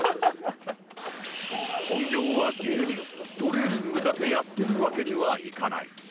トレーニングだけやってるわけにはいかない